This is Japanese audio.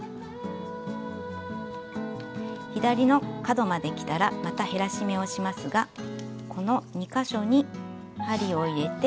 左の角まできたらまた減らし目をしますがこの２か所に針を入れて。